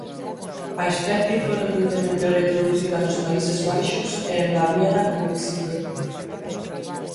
A especie foi recentemente reintroducida nos Países Baixos e en Baviera con éxito.